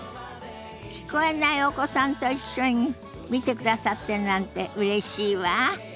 聞こえないお子さんと一緒に見てくださってるなんてうれしいわ。